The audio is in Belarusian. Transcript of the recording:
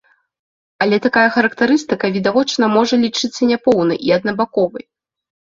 Але такая характарыстыка відавочна можа лічыцца няпоўнай і аднабаковай.